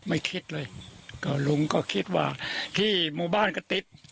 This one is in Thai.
ไม่คิดเลยก็ลุงก็คิดว่าที่หมู่บ้านกระติ๊ด